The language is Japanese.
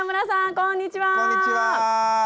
こんにちは。